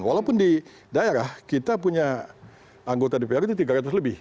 walaupun di daerah kita punya anggota dprd tiga ratus lebih